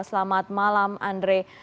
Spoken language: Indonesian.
selamat malam andre